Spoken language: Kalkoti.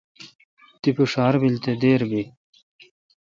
تیپہ ڄار بیل تو دیر بی۔